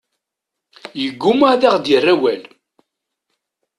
Yeggumma ad aɣ-d-yerr awal.